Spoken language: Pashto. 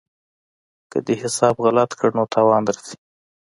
که دې حساب غلط کړ نو تاوان درځي.